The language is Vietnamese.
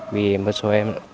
vì một số em